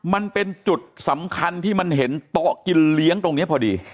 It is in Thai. มันเป็นจุดสำคัญที่มันเห็นโต๊ะกินเลี้ยงตรงนี้พอดี